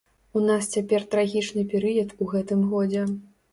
У нас цяпер трагічны перыяд у гэтым годзе.